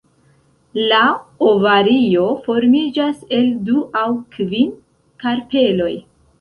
La ovario formiĝas el du aŭ kvin karpeloj.